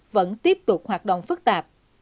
vẫn tiếp tục hoạt động phức tạp